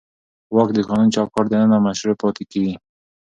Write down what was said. واک د قانوني چوکاټ دننه مشروع پاتې کېږي.